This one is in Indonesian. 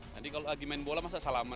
nanti kalau lagi main bola masa salaman